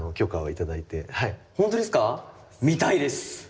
見たいです！